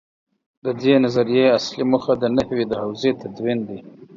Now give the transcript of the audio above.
د دې نظریې اصلي موخه د نحوې د حوزې تدوین دی.